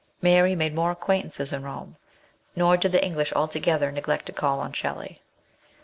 Mary made more acquaintances in Rome, nor did the English altogether neglect to call on Shelley.